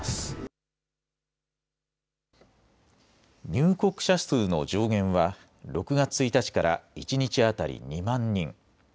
入国者数の上限は６月１日から一日当たり２万人。